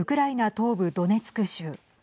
東部ドネツク州。